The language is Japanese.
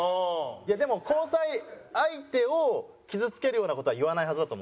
いやでも交際相手を傷つけるような事は言わないはずだと思う。